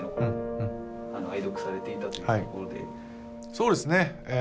そうですね。